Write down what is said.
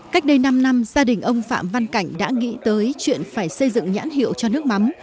cách đây năm năm gia đình ông phạm văn cảnh đã nghĩ tới chuyện phải xây dựng nhãn hiệu cho nước mắm